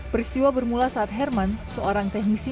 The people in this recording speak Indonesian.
peristiwa bermula saat herman seorang teknisi